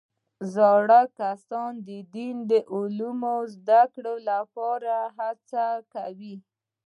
زاړه کسان د دیني علومو زده کړې لپاره هڅې کوي